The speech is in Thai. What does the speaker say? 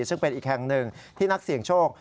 ซึ่งเป็นอีกแห่งหนึ่งที่นักเสี่ยงโชค